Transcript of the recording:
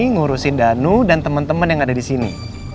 ngurusin danu dan temen temen yang ada di sini